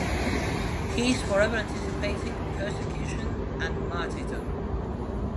He is forever anticipating persecution and martyrdom.